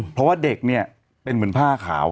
เพราะว่าเด็กเนี่ยเป็นเหมือนผ้าขาว